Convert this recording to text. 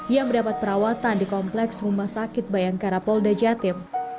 yang mendapat perawatan di kompleks rumah sakit bayangkara polda jatim